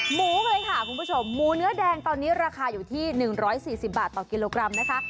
หมูเลยค่ะคุณผู้ชมหมูเนื้อแดงตอนนี้ราคาอยู่ที่๑๔๐บาทต่อกิโลกรัมนะคะ